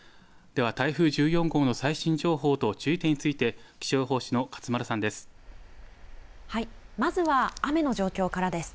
では台風１４号の最新情報と注意点について気象予報士の勝丸さんです。